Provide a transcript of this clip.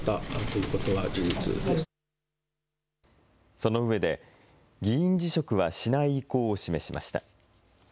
その上で議員辞職はしない意向を示しました。